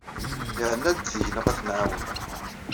Iɛenna-d deg-neɣ ad t-nɛawen.